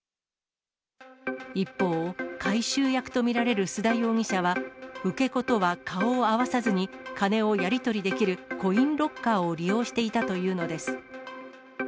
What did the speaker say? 一方、回収役と見られる須田容疑者は、受け子とは顔を合わさずに金をやり取りできるコインロッカーを利用していたというのです。